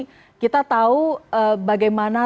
jadi kita tahu bagaimana